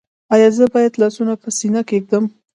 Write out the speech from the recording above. ایا زه باید لاسونه په سینه کیږدم؟